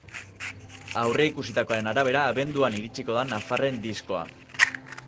Aurreikusitakoaren arabera, abenduan iritsiko da nafarren diskoa.